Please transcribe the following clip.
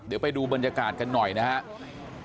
เดี๋ยวไปดูบรรยากาศกันหน่อยนะครับ